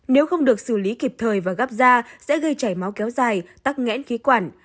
nếu không được xử lý kịp thời và gấp da sẽ gây chảy máu kéo dài tắc nghẽn khí quản